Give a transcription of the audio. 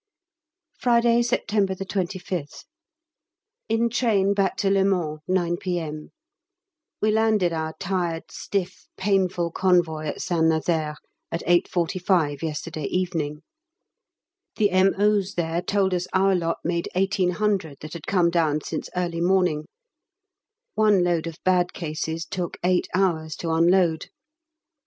Friday, September 25th. In train back to Le Mans, 9 P.M. We landed our tired, stiff, painful convoy at St Nazaire at 8.45 yesterday evening. The M.O.'s there told us our lot made 1800 that had come down since early morning; one load of bad cases took eight hours to unload.